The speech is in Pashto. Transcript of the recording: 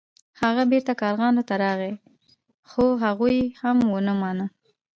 هغه بیرته کارغانو ته راغی خو هغوی هم ونه مانه.